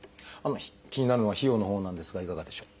気になるのは費用のほうなんですがいかがでしょう？